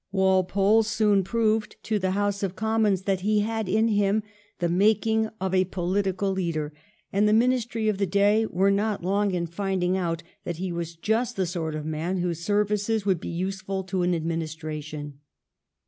Walpole soon proved to the House of Commons that he had in him the making of a political leader, and the Ministry of the day were not long in finding out that he was just the sort of man whose services would be useful to an administration.